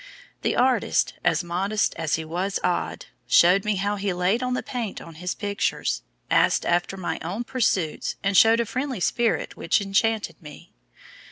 The artist, as modest as he was odd, showed me how he laid on the paint on his pictures, asked after my own pursuits, and showed a friendly spirit which enchanted me.